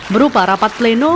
berupa rapat pleno